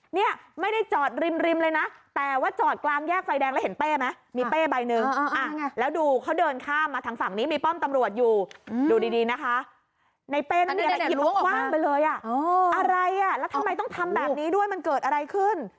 ในเป้มีอะไรหยิบมาคว่างไปเลยอ่ะอะไรอ่ะแล้วทำไมต้องทำแบบนี้ด้วยมันเกิดอะไรขึ้น